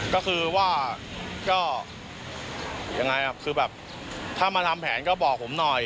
ก็คือว่าถ้ามาทำแผนก็บอกผมหน่อย